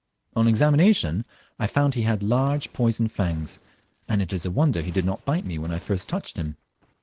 On examination, I found he had large poison fangs, and it is a wonder he did not bite me when I first touched him.